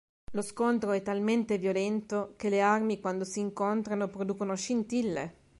Lo scontro è talmente violento che le armi quando si incontrano producono scintille.